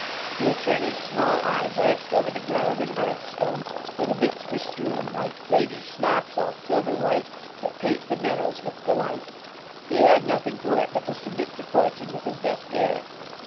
The attorney's small eye glanced over the ground and hearthstone, where the bits were strewn, like Ladies' smocks, all silver white, That paint the meadows with delight. He had nothing for it but to submit to fortune with his best air.